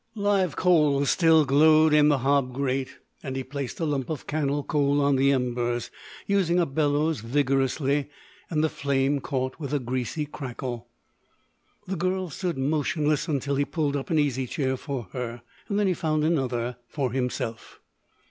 Live coals still glowed in the hob grate; he placed a lump of cannel coal on the embers, used a bellows vigorously and the flame caught with a greasy crackle. The girl stood motionless until he pulled up an easy chair for her, then he found another for himself.